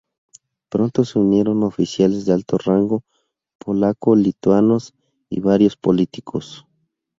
Pronto se unieron oficiales de alto rango polaco-lituanos y varios políticos.